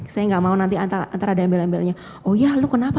saya gak mau nanti antara ada embel embelnya